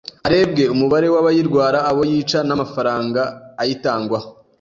harebwe umubare w'abayirwara, abo yica, n'amafaranga ayitangwaho